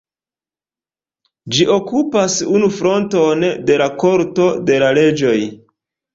Ĝi okupas unu fronton de la Korto de la Reĝoj.